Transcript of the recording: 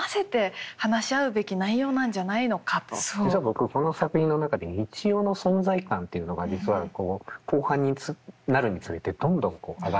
実は僕この作品の中で三千代の存在感っていうのが実は後半になるにつれてどんどんこう上がってくる。